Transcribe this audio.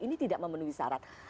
ini tidak memenuhi syarat